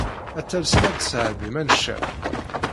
Ad talsem ad d-tesɛeddim aneccaf.